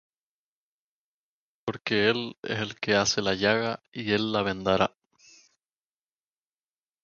Porque él es el que hace la llaga, y él la vendará: